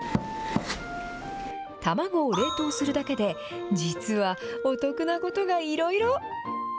卵を冷凍するだけで、実は、お得なことがいろいろ。